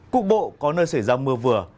cục bộ có nơi xảy ra mưa vừa